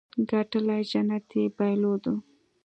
ګټلې جنت يې بايلودو.